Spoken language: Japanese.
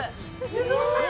すごーい。